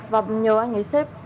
và nhớ anh ấy xếp